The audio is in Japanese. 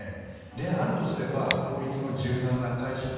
であるとすれば法律の柔軟な解釈